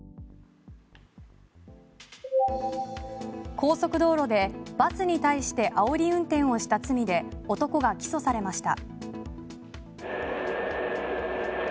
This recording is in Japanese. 高速道路でバスに対してあおり運転をした罪で男が起訴されました。